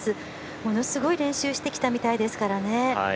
ものすごい練習してきたみたいですからね。